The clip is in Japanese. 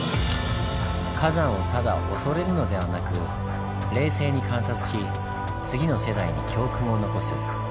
火山をただ恐れるのではなく冷静に観察し次の世代に教訓を残す。